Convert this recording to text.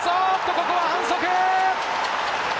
ここは反則！